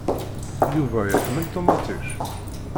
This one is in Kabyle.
Yuba iḥemmel ṭumaṭic?